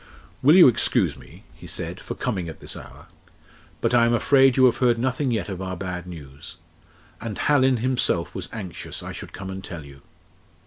"Will you excuse me," he said, "for coming at this hour? But I am afraid you have heard nothing yet of our bad news and Hallin himself was anxious I should come and tell you.